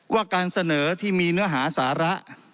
ว่าการเสนอที่มีเนื้อหาสาระ